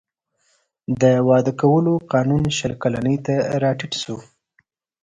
د واده کولو قانون شل کلنۍ ته راټیټ شو.